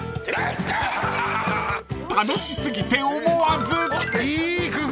［楽し過ぎて思わず］